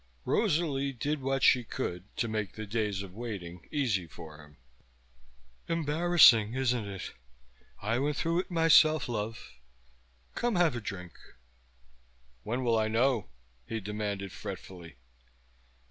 Rosalie did what she could to make the days of waiting easy for him. "Embarrassing, isn't it? I went through it myself, love. Come have a drink." "When will I know?" he demanded fretfully.